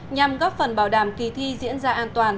nhằm góp phần bảo đảm kỳ thi diễn ra an toàn